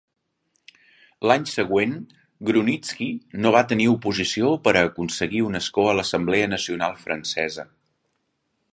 L'any següent, Grunitzky no va tenir oposició per aconseguir un escó a l'Assemblea Nacional francesa.